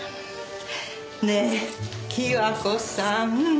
ねえ貴和子さん。